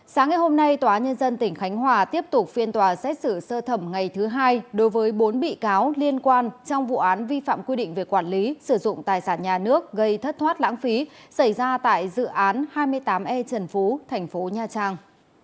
sáng ngày hôm nay tòa nhân dân tỉnh khánh hòa tiếp tục phiên tòa xét xử sơ thẩm ngày thứ hai đối với bốn bị cáo liên quan trong vụ án vi phạm quy định về quản lý sử dụng tài sản nhà nước gây thất thoát lãng phí xảy ra tại dự án hai mươi tám e trần phú thành phố nha trang